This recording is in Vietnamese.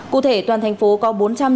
cụ thể toàn thành phố có